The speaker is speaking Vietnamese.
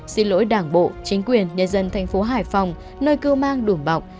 xin lỗi đảng bộ chính quyền nhà dân thành phố hải phòng nơi cưa mang đùm bọc